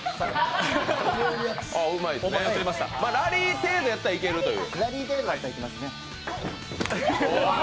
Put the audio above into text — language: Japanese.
ラリー程度やったらいけるという？